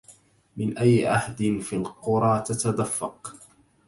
من أي عهد في القرى تتدفق